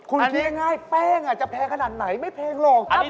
คุณเที่ยงไงแป้งอาจจะแพงขนาดไหนไม่แพงหรอก